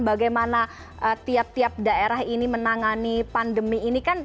bagaimana tiap tiap daerah ini menangani pandemi ini kan